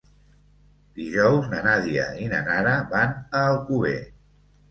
Dijous na Nàdia i na Nara van a Alcover.